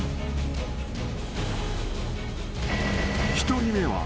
［１人目は］